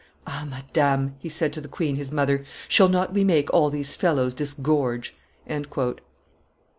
"Ah! Madame," he said to the queen his mother, "shall not we make all these fellows disgorge?"